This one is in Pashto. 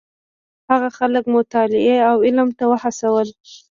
هغه خلک مطالعې او علم ته وهڅول.